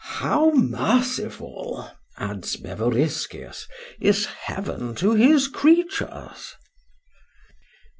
How merciful, adds Bevoriskius, is heaven to his creatures!